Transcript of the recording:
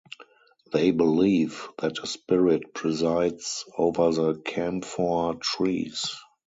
They believe that a spirit presides over the camphor trees.